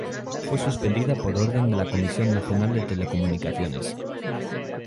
Fue suspendida por orden de la Comisión Nacional de Telecomunicaciones.